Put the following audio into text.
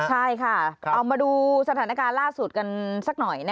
ใช่ค่ะเอามาดูสถานการณ์ล่าสุดกันสักหน่อย